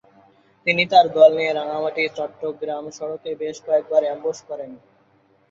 তিনি তার দল নিয়ে রাঙামাটি-চট্টগ্রাম সড়কে বেশ কয়েকবার অ্যামবুশ করেন।